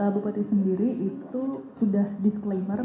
bupati sendiri itu sudah disclaimer